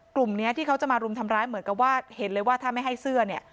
กลุ่มนี้ที่เขาจะมารุมทำร้ายเหมือนกับว่าเห็นเลยว่าถ้าไม่ให้เสื้อเนี่ย